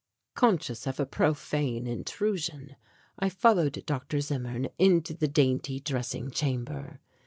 Conscious of a profane intrusion, I followed Dr. Zimmern into the dainty dressing chamber.